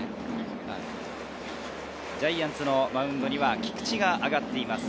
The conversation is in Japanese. ジャイアンツのマウンドには菊地が上がっています。